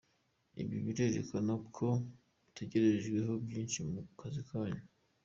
Ibi birerekana ko mutegerejweho byinshi mu kazi kanyu”.